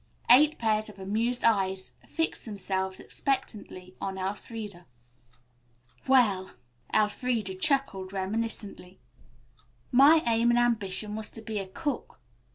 Eight pairs of amused eyes fixed themselves expectantly on Elfreda. "Well," Elfreda chuckled reminiscently, "my aim and ambition was to be a cook.